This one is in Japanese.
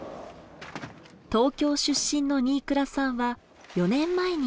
東京出身の新倉さんは４年前に移住。